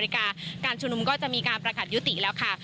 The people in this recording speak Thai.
การชุมนุมก็จะมีการประกาศยุติแล้วค่ะ